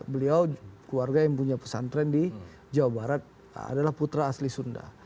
beliau keluarga yang punya pesantren di jawa barat adalah putra asli sunda